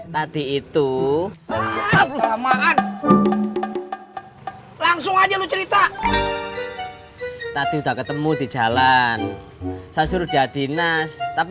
tadi itu lama lama langsung aja lu cerita tadi udah ketemu di jalan saya suruh dia dinas tapi